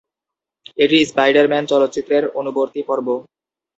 এটি "স্পাইডার-ম্যান" চলচ্চিত্রের অনুবর্তী পর্ব।